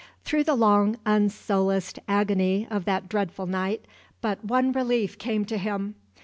Through the long unsolaced agony of that dreadful night, but one relief came to him.